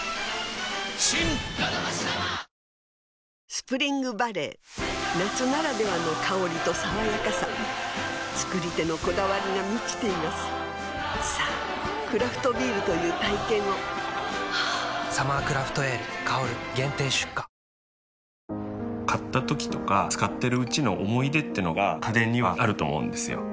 スプリングバレー夏ならではの香りと爽やかさ造り手のこだわりが満ちていますさぁクラフトビールという体験を「サマークラフトエール香」限定出荷買ったときとか使ってるうちの思い出ってのが家電にはあると思うんですよ。